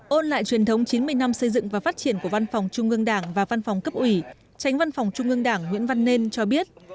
ôn lại truyền thống chín mươi năm xây dựng và phát triển của văn phòng trung ương đảng và văn phòng cấp ủy tránh văn phòng trung ương đảng nguyễn văn nên cho biết